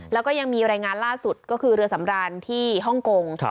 แล้วก็ยังมีรายงานล่าสุดก็คือเรือสำรานที่ฮ่องกง